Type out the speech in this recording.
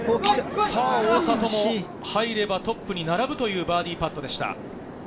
大里も入ればトップに並ぶというバーディーパットでした。